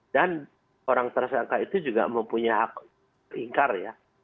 dan orang tersangka itu juga mempunyai hak ingkar ya